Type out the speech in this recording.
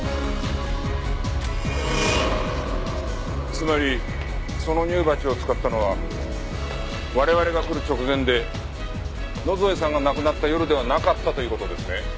つまりその乳鉢を使ったのは我々が来る直前で野添さんが亡くなった夜ではなかったという事ですね？